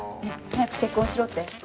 早く結婚しろって？